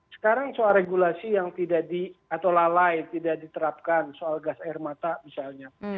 sekarang soal regulasi yang tidak diterapkan soal gas air mata misalnya